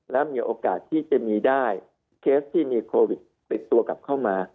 แล้วมีโอกาสที่จะมีได้เคสที่มีโควิดติดตัวกลับเข้ามา